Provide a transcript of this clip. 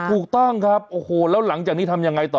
ถูกต้องครับโอ้โหแล้วหลังจากนี้ทำยังไงต่อ